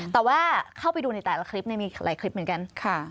แต่ว่าเข้าไปดูในแต่ละคลิปมีหลายคลิปเหมือนกัน